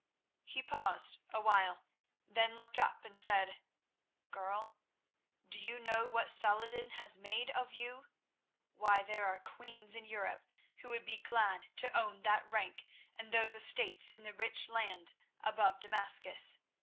He paused awhile, then looked up and said, "Girl, do you know what Saladin has made of you? Why, there are queens in Europe who would be glad to own that rank and those estates in the rich lands above Damascus.